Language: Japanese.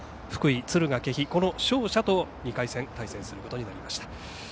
福井・敦賀気比のこの勝者と２回戦対戦することになりました。